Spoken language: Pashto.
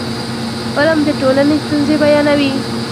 فلم د ټولنې ستونزې بیانوي